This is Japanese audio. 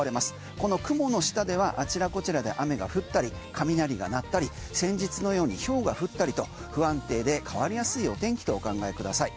この雲の下ではあちらこちらで雨が降ったり雷が鳴ったり先日のようにひょうが降ったりと不安定で変わりやすいお天気とお考えください。